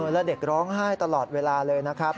แล้วเด็กร้องไห้ตลอดเวลาเลยนะครับ